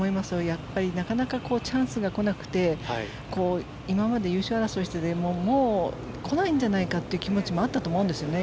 やっぱりなかなかチャンスが来なくて今まで優勝争いしていてもう来ないんじゃないかという気持ちもあったと思うんですよね。